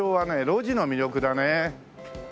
路地の魅力だね。